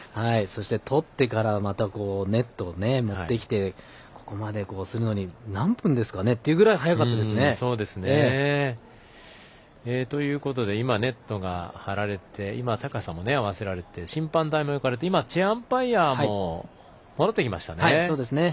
取ってから、ネットを持ってきてここまでするのに何分ですかねっていうぐらい早かったですね。ということでネットが張られて高さも合わせられて審判台も置かれて今、チェアアンパイアも戻ってきましたね。